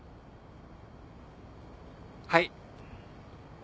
はい。